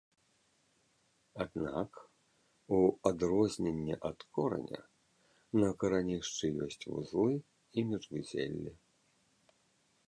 Аднак, у адрозненне ад кораня, на карэнішчы ёсць вузлы і міжвузеллі.